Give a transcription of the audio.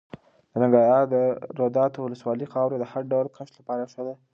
د ننګرهار د روداتو ولسوالۍ خاوره د هر ډول کښت لپاره ښه ده.